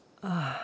ああ。